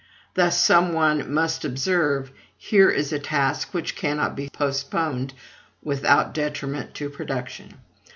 Thus, some one might observe, "Here is a task which cannot be postponed without detriment to production.